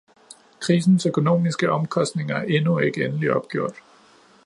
Krisens økonomiske omkostninger er endnu ikke endeligt opgjort.